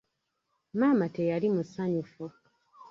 Maama teyali musanyufu.